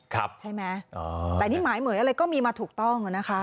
ครับใช่ไหมอ๋อแต่นี่หมายเหมือนอะไรก็มีมาถูกต้องอ่ะนะคะ